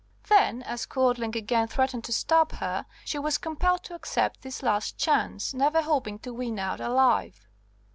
Then, as Quadling again threatened to stab her, she was compelled to accept this last chance, never hoping to win out alive.